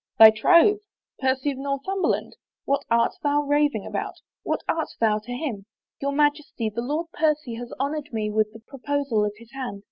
" Thy troth ? Percy of Northumberland ? What art thou rav ing about ? What art thou to him ?"*' Your Majesty, the Lord Percy has honored me with the proposal of his hand.